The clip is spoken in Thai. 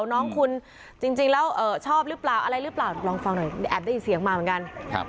น้องคุณจริงแล้วชอบหรือเปล่าอะไรหรือเปล่าลองฟังหน่อยแอบได้ยินเสียงมาเหมือนกัน